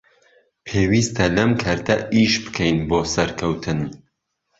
پێویستە لەم کەرتە ئیش بکەین بۆ سەرکەوتن